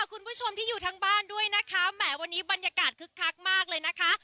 คุณผู้ชมที่อยู่ทางบ้านด้วยนะคะแหมวันนี้บรรยากาศคึกคักมากเลยนะคะ